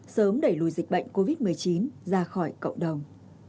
sớm đẩy lùi dịch bệnh covid một mươi chín ra khỏi cộng đồng